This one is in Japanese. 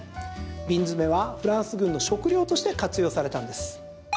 瓶詰はフランス軍の食料として活用されたんです。